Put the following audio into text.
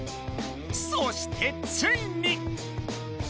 そしてついに！